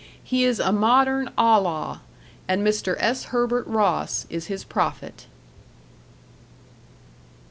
He is a modern Allah, and Mr. S. Herbert Ross is his prophet.